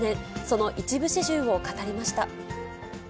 その一部始終を語りました。